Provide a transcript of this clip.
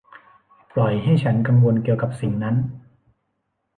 ปล่อยให้ฉันกังวลเกี่ยวกับสิ่งนั้น